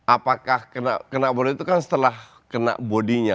apakah kena bodi itu kan setelah kena bodinya